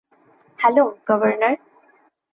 Hello, governor.